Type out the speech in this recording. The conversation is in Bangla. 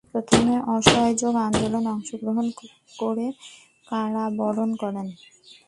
প্রথমে অসহযোগ আন্দোলনে অংশগ্রহণ করে কারাবরণ করেন।